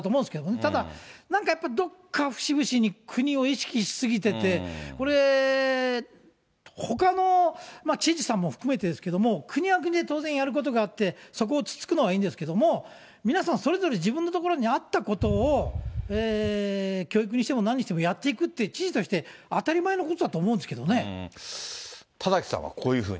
ただ、なんかやっぱり、どっか節々に国を意識し過ぎてて、これ、ほかの知事さんも含めてですけれども、国は国で当然やることがあって、そこをつつくのはいいんですけども、皆さん、それぞれ自分の所に合ったことを、教育にしても、なんにしてもやっていくって、知事として当たり前のことだと思う田崎さんはこういうふうに。